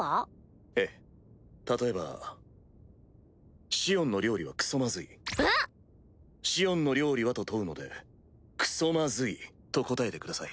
例えば「シオンの料理はクソまずい」ん⁉「シオンの料理は？」と問うので「クソまずい」と答えてください